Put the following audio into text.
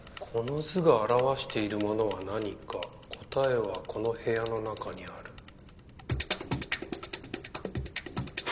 「この図が表しているものは何か答えはこの部屋の中にある」。